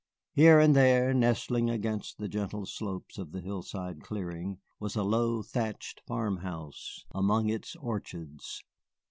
Here and there, nestling against the gentle slopes of the hillside clearing, was a low thatched farmhouse among its orchards.